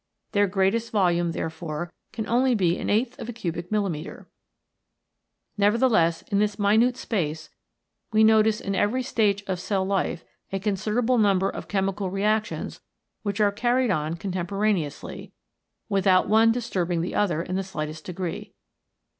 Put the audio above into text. Their greatest volume therefore can only be an eighth of a cubic milli metre. Nevertheless, in this minute space we notice in every stage of cell life a considerable number of chemical reactions which are carried on contemporaneously, without one disturbing the other in the slightest degree.